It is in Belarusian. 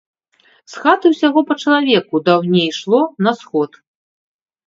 З хаты ўсяго па чалавеку даўней ішло на сход.